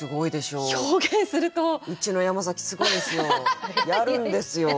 うちの山崎すごいんですよやるんですよ。